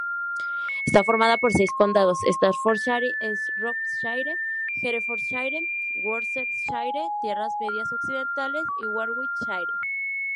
Está formada por seis condados: Staffordshire, Shropshire, Herefordshire, Worcestershire, Tierras Medias Occidentales y Warwickshire.